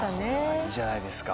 いいじゃないですか。